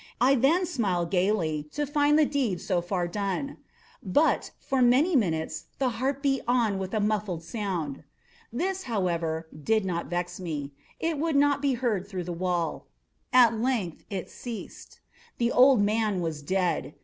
I then smiled gaily, to find the deed so far done. But, for many minutes, the heart beat on with a muffled sound. This, however, did not vex me; it would not be heard through the wall. At length it ceased. The old man was dead.